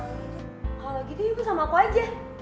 kalau gitu ibu sama aku aja